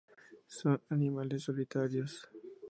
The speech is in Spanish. Son animales solitarios.